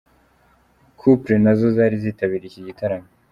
Couple nazo zari zitabiriye iki gitaramo